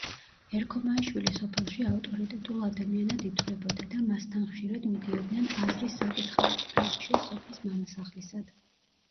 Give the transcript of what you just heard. ერქომაიშვილი სოფელში ავტორიტეტულ ადამიანად ითვლებოდა და მასთან ხშირად მიდიოდნენ აზრის საკითხავად, აირჩიეს სოფლის მამასახლისად.